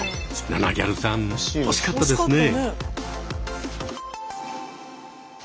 ナナぎゃるさん惜しかったですね。